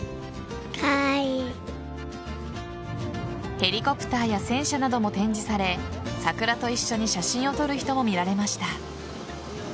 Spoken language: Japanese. ヘリコプターや戦車なども展示され、桜と一緒に写真を撮る人も見られました。